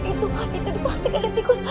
itu itu dipastikan ada tikus